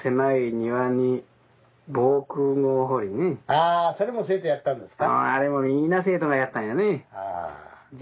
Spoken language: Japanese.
「あそれも生徒やったんですか」。